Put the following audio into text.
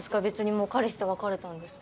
もう彼氏と別れたんですから。